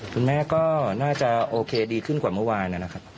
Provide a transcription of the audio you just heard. คุณแม่ก็น่าจะโอเคดีขึ้นกว่าเมื่อวานนะครับ